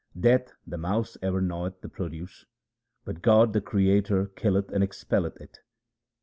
Death the mouse ever gnaweth the produce ; 1 but God the Creator killeth and expelleth it.